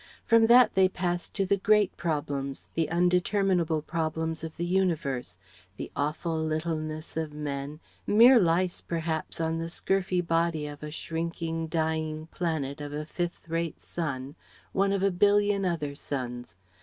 From that they passed to the great problems, the undeterminable problems of the Universe; the awful littleness of men mere lice, perhaps, on the scurfy body of a shrinking, dying planet of a fifth rate sun, one of a billion other suns.